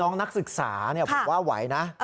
น้องนักศึกษาเนี่ยบอกว่าไหวนะ